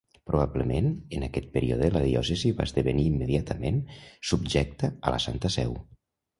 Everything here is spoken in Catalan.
Probablement en aquest període la diòcesi va esdevenir immediatament subjecta a la Santa Seu.